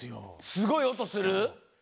すごい音する？